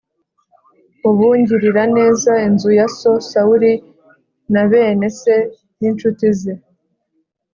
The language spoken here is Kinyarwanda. Ubu ngirira neza inzu ya so Sawuli na bene se n’incuti ze